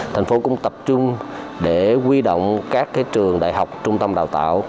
thành phố cũng tập trung để quy động các trường đại học trung tâm đào tạo